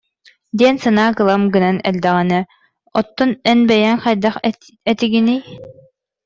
» диэн санаа кылам гынан эрдэҕинэ «оттон эн бэйэҥ хайдах этигиний